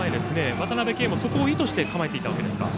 渡辺憩もそこを意図して構えていたわけですか。